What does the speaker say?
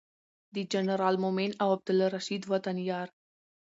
د جنرال مؤمن او عبدالرشید وطن یار